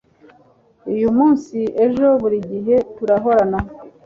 uyu munsi ejo burigihe turahorana